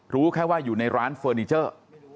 รู้แค่ว่าอยู่ในร้านเฟอร์นิเจอร์